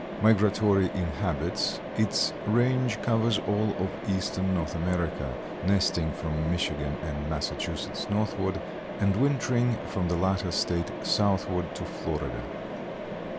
Migratory in habits, its range covers all of Eastern North America, nesting from Michigan and Massachusetts northward and wintering from the latter state southward to Florida.